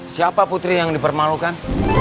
siapa putri yang dipermalukan